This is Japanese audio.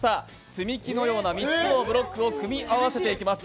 積み木のような３つのブロックを組み合わせていきます。